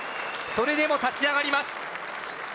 それでも立ち上がります。